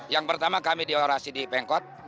yang pertama kami di orasi di pemkot